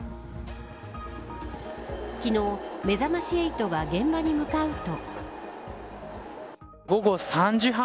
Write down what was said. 昨日、めざまし８は現場に向かうと。